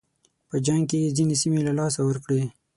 په جنګ کې یې ځینې سیمې له لاسه ورکړې.